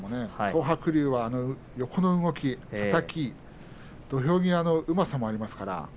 東白龍は横の動き土俵際のうまさもありますからね。